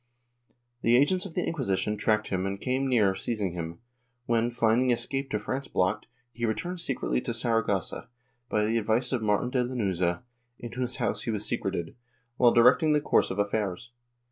The agents of the Inciuisition tracked him and came near seizing him; when, finding escape to France blocked, he returned secretly to Saragossa, by the advice of Martin de Lanuza, in whose house he was secreted, while directing the course of affairs.